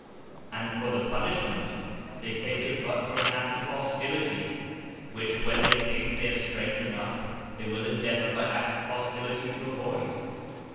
And for the Punishment, they take it but for an act of Hostility; which when they think they have strength enough, they will endeavour by acts of Hostility, to avoyd.